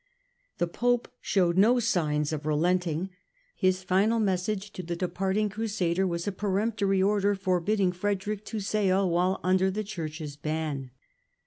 The Pope showed no signs of relenting. His final message to the departing Crusader was a peremptory order forbidding Frederick to sail while under the Church's ban.